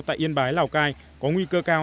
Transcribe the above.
tại yên bái lào cai có nguy cơ cao